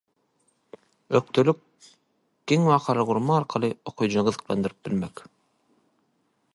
ökdelik, geň wakalary gurmak arkaly okyjyny gyzykdyryp bilmek.